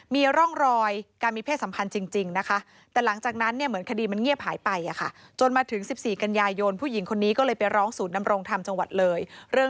เมียร่องรอย